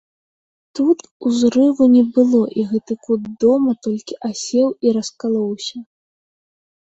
Тут узрыву не было, і гэты кут дома толькі асеў і раскалоўся.